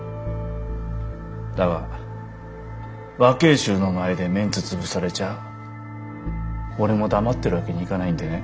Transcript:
だが若ぇ衆の前でメンツ潰されちゃ俺も黙ってるわけにはいかないんでね。